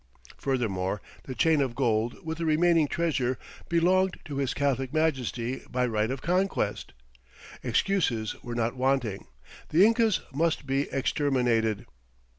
Furthermore, the "Chain of Gold with the remaining Treasure belong'd to his Catholic Majesty by right of Conquest"! Excuses were not wanting. The Incas must be exterminated.